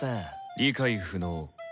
理解不能。